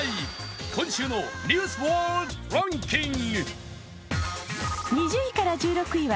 今週の「ニュースワードランキング」。